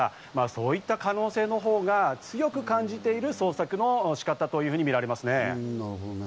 そういった可能性のほうが強く感じている捜索の仕方と見られます。